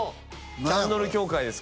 キャンドル協会です